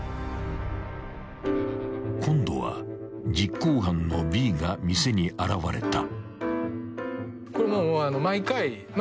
［今度は実行犯のＢが店に現れた］